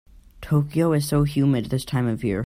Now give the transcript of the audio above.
Tokyo is so humid this time of year.